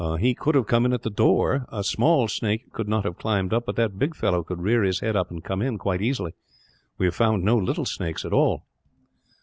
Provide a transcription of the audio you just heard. "He could have come in at the door, master. A small snake could not have climbed up, but that big fellow could rear his head up and come in, quite easily. We have found no little snakes at all."